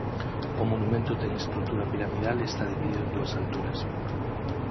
O monumento ten estrutura piramidal e está dividido en dúas alturas.